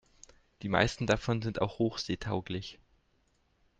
Die meisten davon sind auch hochseetauglich.